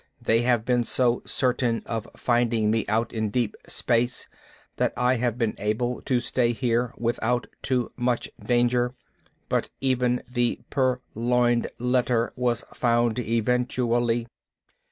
They have been so certain of finding me out in deep space that I have been able to stay here without too much danger. But even the purloined letter was found eventually."